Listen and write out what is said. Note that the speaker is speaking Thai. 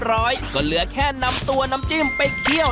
เฮ้ยหนูก็พูดมั่วว่างอันเนี่ย